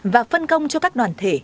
và phân công cho các đoàn thể